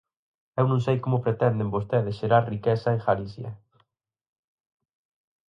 Eu non sei como pretenden vostedes xerar riqueza en Galicia.